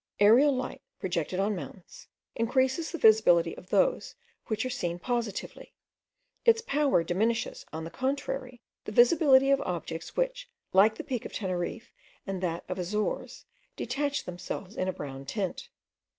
Aerial light, projected on mountains, increases the visibility of those which are seen positively; its power diminishes, on the contrary, the visibility of objects which, like the peak of Teneriffe and that of the Azores, detach themselves in a brown tint.